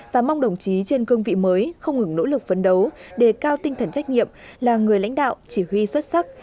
và mong đồng chí trên cương vị mới không ngừng nỗ lực phấn đấu đề cao tinh thần trách nhiệm là người lãnh đạo chỉ huy xuất sắc